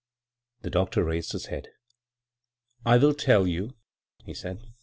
The doctor raised bis head. " I will tell you," he sEud.